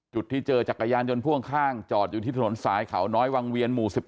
จุดที่เจอจักรยานยนต์พ่วงข้างจอดอยู่ที่ถนนสายเขาน้อยวังเวียนหมู่๑๑